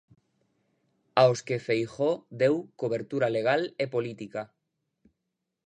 Aos que Feijóo deu cobertura legal e política.